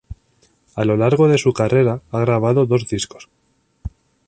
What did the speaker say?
A lo largo de su carrera ha grabado dos discos.